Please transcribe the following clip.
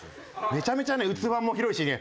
めちゃめちゃね器も広いしね。